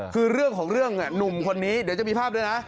คือเรื่องของเรื่องหนุ่มคนนี้เดี๋ยวจะมีภาพด้วยนะ